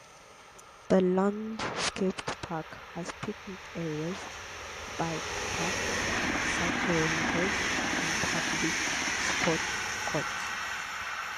The landscaped park has picnic areas, bike paths, cycle rentals and public sport courts.